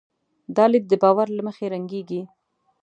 دا لید د باور له مخې رنګېږي.